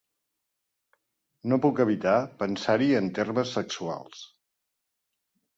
No puc evitar pensar-hi en termes sexuals.